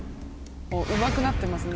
うまくなってますね